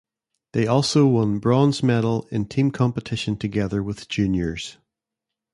They also won bronze medal in Team competition together with juniors.